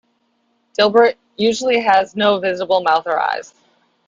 Dilbert usually has no visible mouth or eyes.